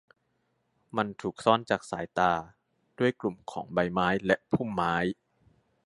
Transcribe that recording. มันถูกซ่อนจากสายตาด้วยกลุ่มของใบไม้และพุ่มไม้